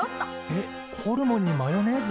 えっホルモンにマヨネーズ？